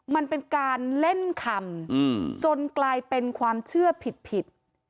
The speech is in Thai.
มันเป็นการเล่นคำจนกลายเป็นความเชื่อผิด